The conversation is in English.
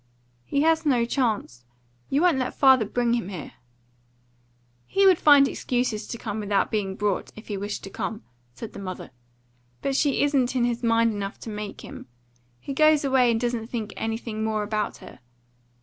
"He has no chance. You won't let father bring him here." "He would find excuses to come without being brought, if he wished to come," said the mother. "But she isn't in his mind enough to make him. He goes away and doesn't think anything more about her.